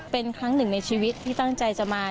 เป็นครั้งหนึ่งในชีวิตที่ตั้งใจจะมา